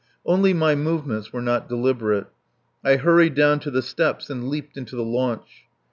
Only my movements were not deliberate. I hurried down to the steps, and leaped into the launch.